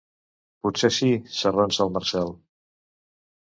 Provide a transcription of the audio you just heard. Potser sí —s'arronsa el Marcel.